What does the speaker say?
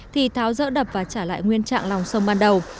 thì tháo dỡ đập và trả lại nguyên trạng lòng sông ban đầu